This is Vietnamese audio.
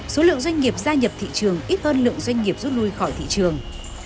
số lượng doanh nghiệp gia nhập thị trường ít hơn lượng doanh nghiệp rút lui khỏi thị trường